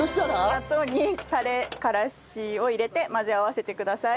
納豆にタレからしを入れて混ぜ合わせてください。